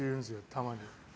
たまに。